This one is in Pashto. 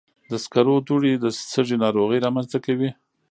د سکرو دوړې د سږي ناروغۍ رامنځته کوي.